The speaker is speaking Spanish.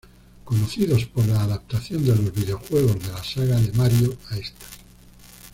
Conocidos por la adaptación de los videojuegos de la saga de Mario a estas.